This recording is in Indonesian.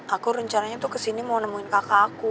aku rencananya tuh kesini mau nemuin kakak aku